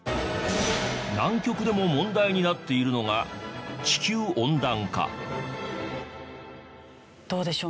南極でも問題になっているのがどうでしょう？